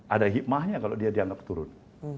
ada hikmahnya kalau dia dianggap turun